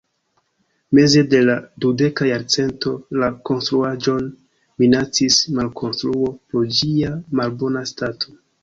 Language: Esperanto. Meze de la dudeka jarcento la konstruaĵon minacis malkonstruo pro ĝia malbona stato.